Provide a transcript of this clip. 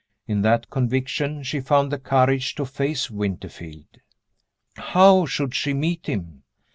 In that conviction she found the courage to face Winterfield. How should she meet him?